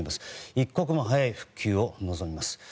一刻も早い復旧を望みます。